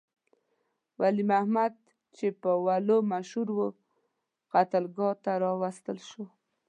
ولی محمد چې په ولو مشهور وو، قتلګاه ته راوستل شو.